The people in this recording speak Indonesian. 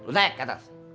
lu naik ke atas